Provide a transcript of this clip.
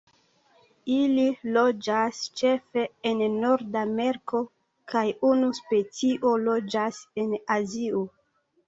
Ili loĝas ĉefe en Nordameriko kaj unu specio loĝas en Azio.